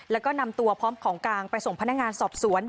แล้วก็นำตัวพร้อมของกลางไปส่งพนักงานสอบสวน